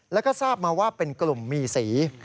แล้วก็ทราบมาว่าเป็นกลุ่มมีสี